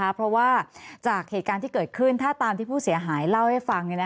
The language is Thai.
เพราะว่าจากเหตุการณ์ที่เกิดขึ้นถ้าตามที่ผู้เสียหายเล่าให้ฟัง